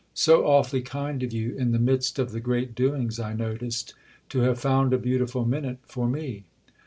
"So awfully kind of you—in the midst of the great doings I noticed—to have found a beautiful minute for me."